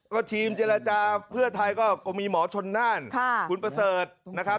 ก็ทีมเจรจาเพื่อไทยก็มีหมอชนน่านคุณประเสริฐนะครับ